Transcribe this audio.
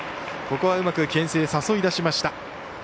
ここはうまくけん制で誘い出しました。